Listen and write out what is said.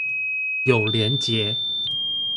有連結